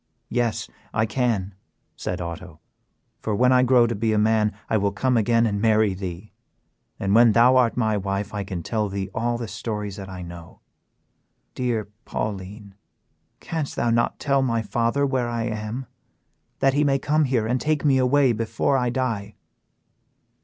"Yes, I can," said Otto, "for when I grow to be a man I will come again and marry thee, and when thou art my wife I can tell thee all the stories that I know. Dear Pauline, canst thou not tell my father where I am, that he may come here and take me away before I die?"